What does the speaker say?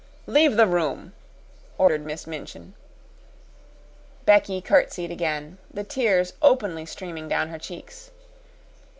"Leave the room!" ordered Miss Minchin. Becky curtsied again, the tears openly streaming down her cheeks.